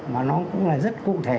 mà nó cũng là rất cụ thể